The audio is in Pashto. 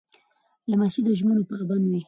لمسی د ژمنو پابند وي.